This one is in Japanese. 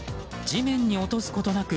地面に落とすことなく